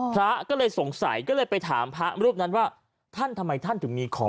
พระก็เลยสงสัยก็เลยไปถามพระรูปนั้นว่าท่านทำไมท่านถึงมีของ